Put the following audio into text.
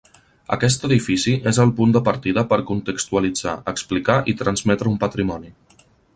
Aquest edifici és el punt de partida per contextualitzar, explicar i transmetre un patrimoni.